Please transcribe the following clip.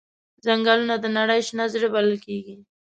ځنګلونه د نړۍ شنه زړه بلل کېږي.